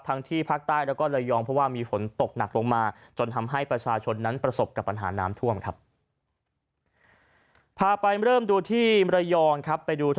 ทั้งที่ภาคใต้และ